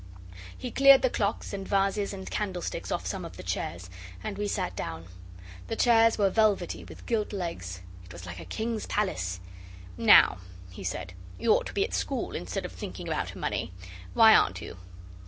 He cleared the clocks and vases and candlesticks off some of the chairs, and we sat down. The chairs were velvety, with gilt legs. It was like a king's palace. 'Now,' he said, 'you ought to be at school, instead of thinking about money. Why aren't you?